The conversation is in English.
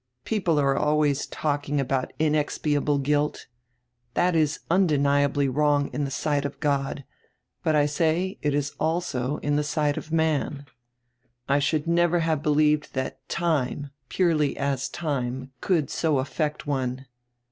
People are always talking about inexpiable guilt. That is undeniably wrong in die sight of God, but I say it is also in die sight of man. I never should have believed that time, purely as time, could so affect one.